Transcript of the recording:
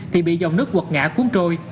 thì bị dòng nước quật ngã cuốn trôi